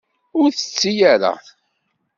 Ur tetti ara.